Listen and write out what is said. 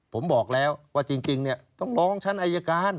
ผมบอกแล้วว่าจริงต้องร้องชั้นอายการ